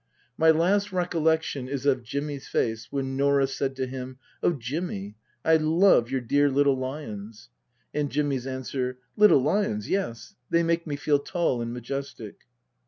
My last recollection is of Jimmy's face when Norah said to him, " Oh, Jimmy, I love your dear little lions !" and Jimmy's answer :" Little lions yes they make me feel tall and majestic."